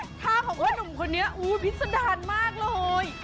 ท่าของพ่อหนุ่มคนนี้พิษดารมากเลย